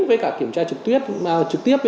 với cả kiểm tra trực tiếp